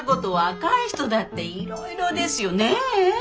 若い人だっていろいろですよねえ？